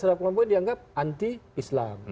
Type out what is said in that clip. dalam kelompok ini dianggap anti islam